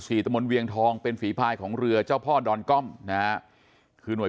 ตะมนต์เวียงทองเป็นฝีภายของเรือเจ้าพ่อดอนก้อมนะฮะคือหน่วย